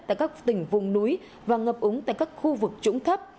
tại các tỉnh vùng núi và ngập úng tại các khu vực trũng thấp